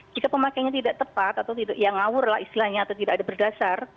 jika pemakaiannya tidak tepat atau tidak ngawur lah istilahnya atau tidak ada berdasar